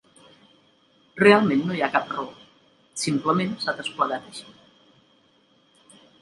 Realment no hi ha cap raó; simplement s'ha desplegat així.